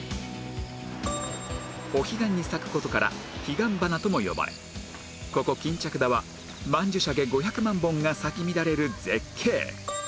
お彼岸に咲く事から彼岸花とも呼ばれここ巾着田は曼珠沙華５００万本が咲き乱れる絶景！